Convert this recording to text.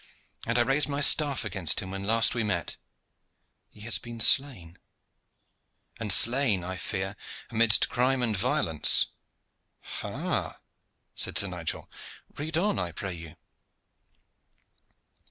and I raised my staff against him when last we met! He has been slain and slain, I fear, amidst crime and violence." "Ha!" said Sir Nigel. "Read on, I pray you."